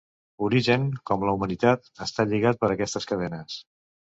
Urizen, com la humanitat, està lligat per aquestes cadenes.